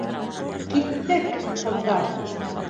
Киттек, ҡыҙҙар!